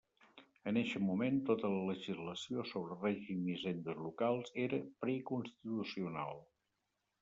En eixe moment tota la legislació sobre règim i hisendes locals era preconstitucional.